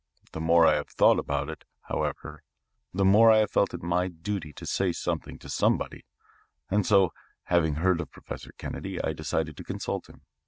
The more I have thought about it, however, the more I have felt it my duty to say something to somebody, and so, having heard of Professor Kennedy, I decided to consult him.